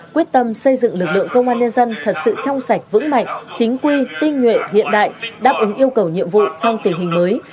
quyết tâm xây dựng lực lượng công an nhân dân thật sự trong sạch vững mạnh chính quy tinh nhuệ hiện đại đáp ứng yêu cầu nhiệm vụ trong tình hình mới